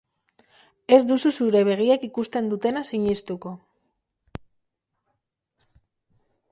Ez duzu zure begiek ikusten dutena sinistuko!